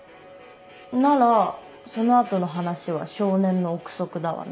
ならその後の話は少年の臆測だわな。